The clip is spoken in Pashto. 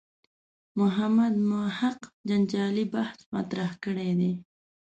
محمد محق جنجالي بحث مطرح کړی دی.